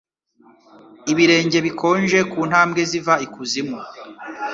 ibirenge bikonje ku ntambwe ziva ikuzimu.